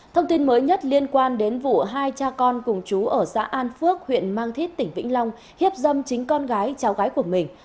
thông tin mới nhất liên quan đến vụ hai cha con cùng chú ở xã an phước huyện mang thít tỉnh vĩnh long hiếp dâm chính con gái cháu gái của mình